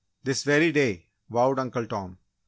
"This very day!" vowed Uncle Tom.